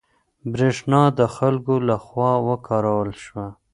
برېښنا د خلکو له خوا وکارول شوه.